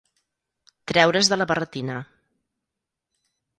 Treure's de la barretina.